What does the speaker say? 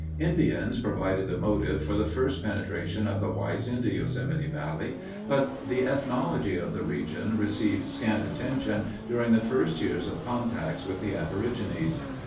Indians provided the motive for the first penetration of the whites into Yosemite Valley, but the ethnology of the region received scant attention during the first years of contacts with the aborigines.